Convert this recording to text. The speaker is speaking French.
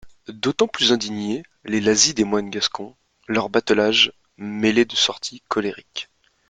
D'autant plus indignaient les lazzi des moines gascons, leur batelage, mêlé de sorties colériques.